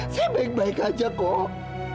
saya baik baik aja kok